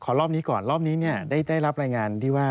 รอบนี้ก่อนรอบนี้ได้รับรายงานที่ว่า